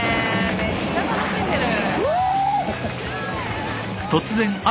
めっちゃ楽しんでる。